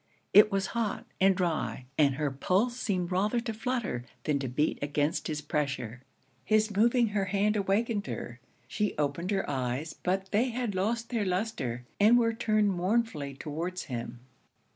It was hot, and dry; and her pulse seemed rather to flutter, than to beat against his pressure. His moving her hand awakened her. She opened her eyes; but they had lost their lustre, and were turned mournfully towards him.